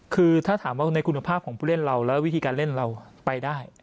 คือถ้าถามว่าในคุณภาพของผู้เล่นเราแล้ววิธีการเล่นเราไปได้